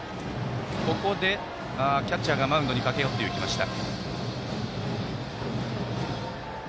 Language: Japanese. ここで、キャッチャーがマウンドに駆け寄っていきました。